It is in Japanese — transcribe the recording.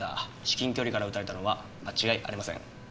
至近距離から撃たれたのは間違いありません。